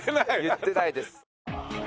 言ってないです。